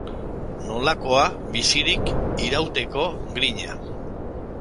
Nolakoa bizirik irauteko grina.